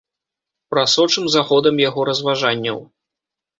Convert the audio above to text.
Прасочым за ходам яго разважанняў.